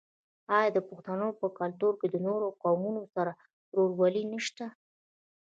آیا د پښتنو په کلتور کې د نورو قومونو سره ورورولي نشته؟